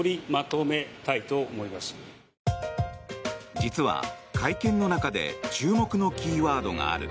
実は会見の中で注目のキーワードがある。